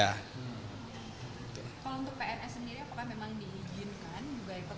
kalau untuk pns sendiri apakah memang diizinkan